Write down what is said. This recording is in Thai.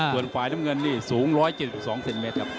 ส่วนไฟน้ำเงินสูง๑๗๒เซนติเมตรครับ